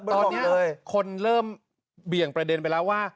ตอนนี้คนเริ่มเบี่ยงประเด็นไปแล้วว่า